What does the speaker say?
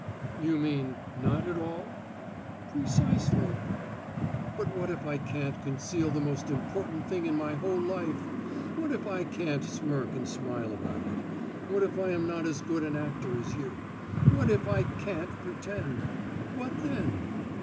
"You mean not at all?" "Precisely." "But what if I can't conceal the most important thing in my whole life? What if I can't smirk and smile about it? What if I am not as good an actor as you? What if I can't pretend? What then?"